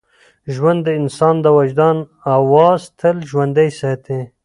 ژوند د انسان د وجدان اواز تل ژوندی ساتي.